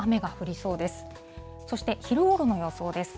そして昼ごろの予想です。